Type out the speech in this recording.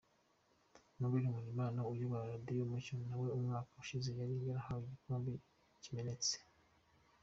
Noel Nkundimana uyobora Radio Umucyo nawe umwaka ushize yari yahawe igikombe kimenetse.